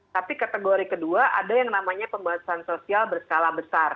tapi kategori kedua ada yang namanya pembatasan sosial berskala besar